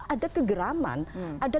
ada kegeraman ada